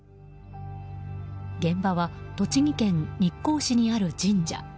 現場は栃木県日光市にある神社。